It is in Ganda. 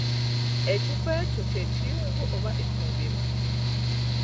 Ekifo ekyo kye Kiyungu oba Effumbiro.